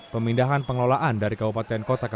pemindahan pengelolaan dari kabupaten kota